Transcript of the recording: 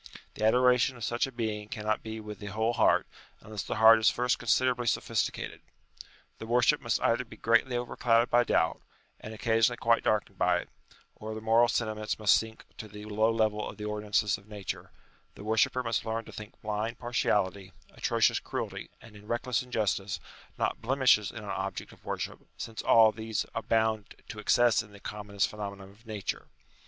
The adoration of such a being cannot be with the whole heart, unless the heart is first considerably sophisticated. The worship must either be greatly overclouded by doubt, and occasionally quite dar kened by it, or the moral sentiments must sink to the low level of the ordinances of Nature : the worshipper must learn to think blind partiality, atrocious cruelty, and reckless injustice, not blemishes in an object of worship, since all these abound to excess in the commonest phenomena of Nature.